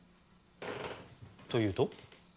というと？